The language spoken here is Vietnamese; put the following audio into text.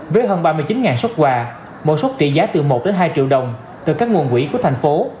với hơn ba mươi chín xuất quà mỗi xuất trị giá từ một đến hai triệu đồng từ các nguồn quỹ của thành phố